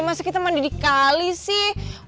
masa kita mandi di kali sih